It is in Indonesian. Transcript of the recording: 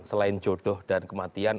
selain jodoh dan kematian